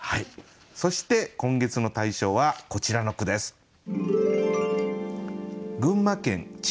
そして今月の大賞はこちらの句です。